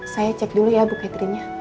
saya cek dulu ya bukatinnya